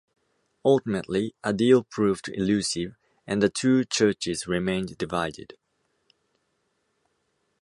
Ultimately, a deal proved elusive, and the two churches remained divided.